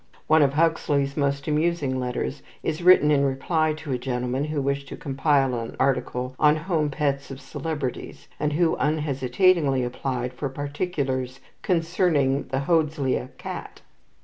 One of Huxley's most amusing letters is written in reply to a gentleman who wished to compile an article on "Home Pets of Celebrities," and who unhesitatingly applied for particulars concerning the Hodeslea cat.